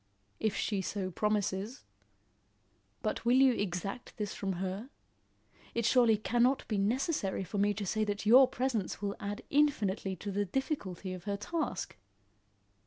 "If she so promises. But will you exact this from her? It surely cannot be necessary for me to say that your presence will add infinitely to the difficulty of her task."